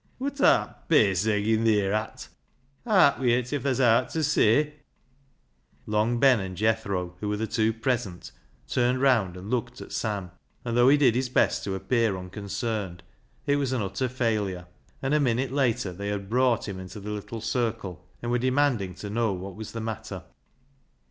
" Wor art pace eggin' theer at ? Aat wi' it, if tha's owt ta say." SALLY'S REDEMPTION 135 LongBenaiid Jethro, who were the two present, turned round and looked at Sam, and though he did his best to appear unconcerned it was an utter failure, and a minute later they had brought him into the little circle and were demanding to know what was the matter.